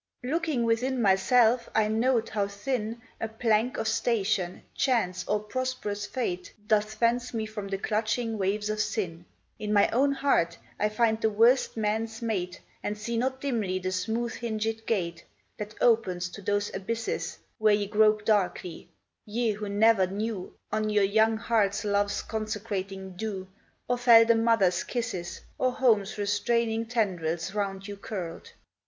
Looking within myself, I note how thin A plank of station, chance, or prosperous fate, Doth fence me from the clutching waves of sin; In my own heart I find the worst man's mate, And see not dimly the smooth hingèd gate That opes to those abysses Where ye grope darkly, ye who never knew On your young hearts love's consecrating dew, Or felt a mother's kisses, Or home's restraining tendrils round you curled.